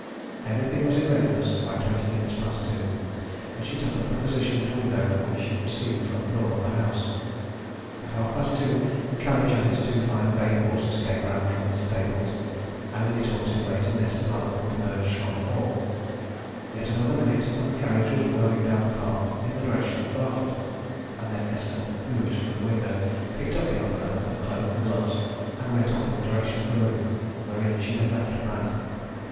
Everything was in readiness by twenty minutes past two, and she took up her position in a window from which she could see the front door of the house. At half past two the carriage and its two fine bay horses came round from the stables; a minute or two later Nesta Mallathorpe emerged from the hall; yet another minute and the carriage was whirling down the park in the direction of Barford. And then Esther moved from the window, picked up the umbrella, the cloak, the gloves, and went off in the direction of the room wherein she had left Pratt.